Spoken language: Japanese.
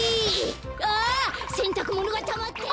あせんたくものがたまってる！